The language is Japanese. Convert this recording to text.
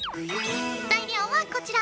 材料はこちら！